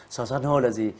sỏi san hô là gì